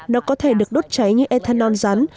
nó có thể được đốt cháy như ethanol rắn